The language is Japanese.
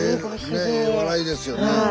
ね笑いですよね。